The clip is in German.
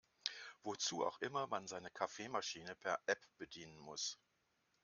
Wozu auch immer man seine Kaffeemaschine per App bedienen muss.